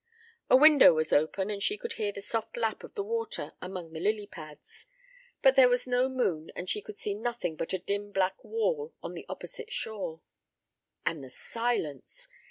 A window was open and she could hear the soft lap of the water among the lily pads, but there was no moon and she could see nothing but a dim black wall on the opposite shore. And the silence!